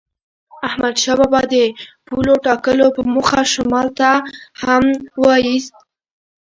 احمدشاه بابا د پولو ټاکلو په موخه شمال ته هم لښکر وایست.